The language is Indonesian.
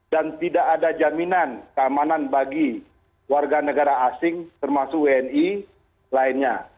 dan tidak ada jaminan keamanan bagi warga negara asing termasuk wni lainnya